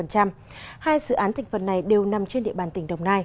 hai dự án thành phần này đều nằm trên địa bàn tỉnh đồng nai